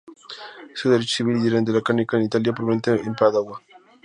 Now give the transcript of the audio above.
Estudió derecho civil y derecho canónico en Italia, probablemente en Padua.